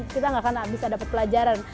kita gak akan bisa dapat pelajaran